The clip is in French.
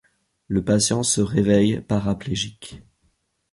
Le patient se réveille paraplégique.